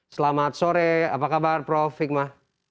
selamat sore apa kabar prof hikmah